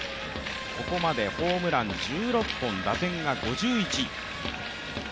ここまでホームラン１６本、打点が５１。